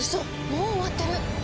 もう終わってる！